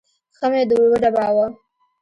ښه مې وډباوه.